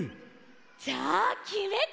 じゃあきめた！